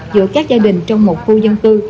giữa các gia đình trong một khu dân cư